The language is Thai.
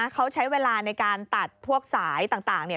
เขาใช้เวลาในการตัดพวกสายต่าง